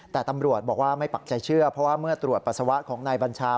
แต่ตำรวจบอกว่าไม่ปักใจเชื่อเพราะว่าเมื่อตรวจปัสสาวะของนายบัญชา